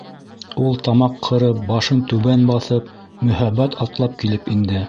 Ул, тамаҡ ҡырып, башын түбән баҫып, мөһабәт атлап килеп инде.